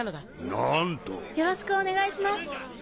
よろしくお願いします。